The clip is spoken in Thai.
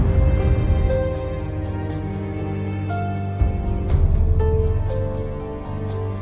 โปรดติดตามต่อไป